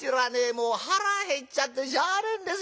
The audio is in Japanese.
もう腹減っちゃってしゃあねえんですよ。